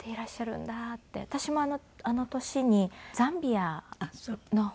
私もあの年にザンビアの方に。